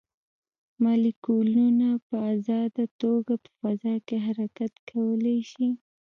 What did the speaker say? مالیکولونه په ازاده توګه په فضا کې حرکت کولی شي.